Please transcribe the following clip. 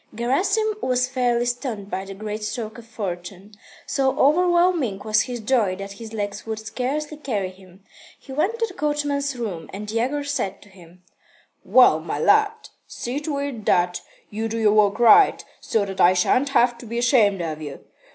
Gerasim was fairly stunned by the great stroke of fortune. So overwhelming was his joy that his legs would scarcely carry him. He went to the coachman's room, and Yegor said to him: "Well, my lad, see to it that you do your work right, so that I shan't have to be ashamed of you.